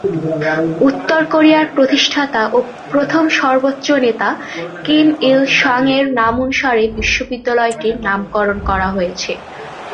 উত্তর কোরিয়ার প্রতিষ্ঠাতা ও প্রথম সর্বোচ্চ নেতা কিম ইল-সাংয়ের নামানুসারে বিশ্ববিদ্যালয়টির নামকরণ করা হয়েছে।